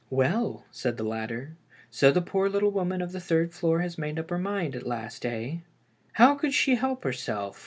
"Well," said the latter, "so the poor little woman of the third floor has made up her mind at last, eh?" " How could she help herself?